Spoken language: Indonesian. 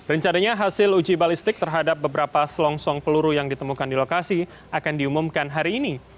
rencananya hasil uji balistik terhadap beberapa selongsong peluru yang ditemukan di lokasi akan diumumkan hari ini